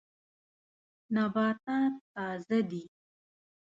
نباتات تازه دي.